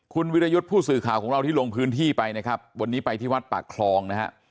คุณวิรยุทธ์ผู้สื่อข่าวของเราที่ลงพื้นที่ไปนะครับวันนี้ไปที่วัดปากคลองนะฮะ